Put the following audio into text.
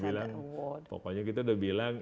ada award pokoknya kita udah bilang